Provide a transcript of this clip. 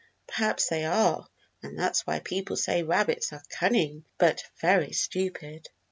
Perhaps they are, and that's why people say rabbits are cunning but very stupid."